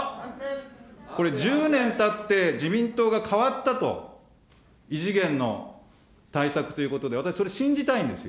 これ、１０年たって自民党が変わったと、異次元の対策ということで、私、それ信じたいんですよ。